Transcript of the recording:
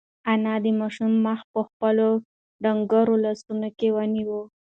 انا د ماشوم مخ په خپلو ډنگرو لاسونو کې ونیو.